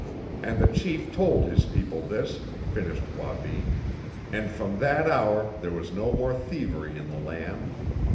"And the chief told his people this," finished Wabi, "and from that hour there was no more thievery in the land.